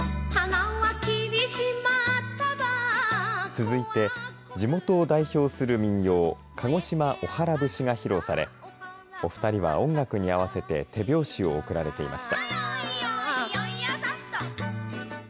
続いて地元を代表する民謡鹿児島おはら節が披露されお二人は音楽に合わせて手拍子を送られていました。